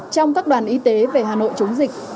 trong các đoàn y tế về hà nội chống dịch